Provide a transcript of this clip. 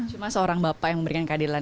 cuma seorang bapak yang memberikan keadilan